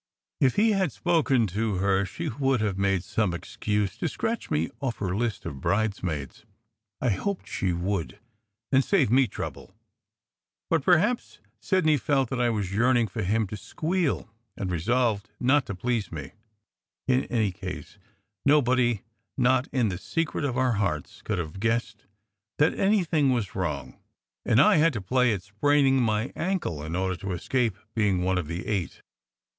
If he had spoken to her she would have made some excuse to scratch me off her list of bridesmaids. I hoped she would, and save me trouble! But perhaps SECRET HISTORY 179 Sidney felt that I was yearning for him to "squeal," and resolved not to please me. In any case, nobody not in the secret of our hearts could have guessed that anything was wrong. And I had to play at spraining my ankle in order to escape being one of the eight.